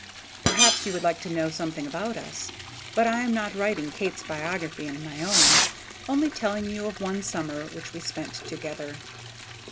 Perhaps you would like to know something about us, but I am not writing Kate's biography and my own, only telling you of one summer which we spent together.